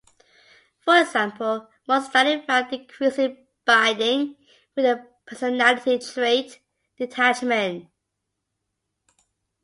For example, one study found decreasing binding with the personality trait "detachment".